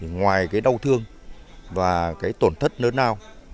ngoài cái đau thương và cái tổn thất lớn nào